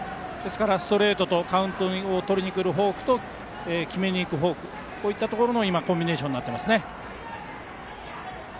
ストレートとカウントをとりにくるフォークと決めにいくフォークのコンビネーションになっています。